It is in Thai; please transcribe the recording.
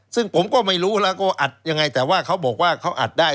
ซึ่งผมก็ไม่รู้แล้วก็อัดยังไงแต่ว่าเขาบอกว่าเขาอัดได้